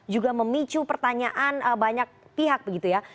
juga memicu pertanyaan banyak pihak begitu ya